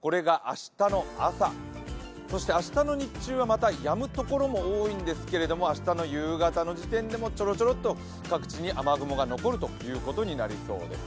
これが明日の朝、そして明日の日中はまたやむところも多いんですけど明日の夕方の時点でもちょろちょろっと各地に雨雲が残ることになりそうです。